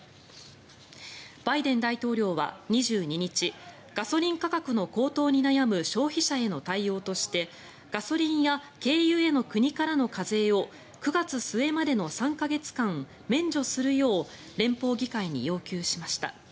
バイデン大統領は２２日ガソリン価格の高騰に悩む消費者への対応としてガソリンや軽油への国からの課税を９月末までの３か月間免除するよう連邦議会に要求しました。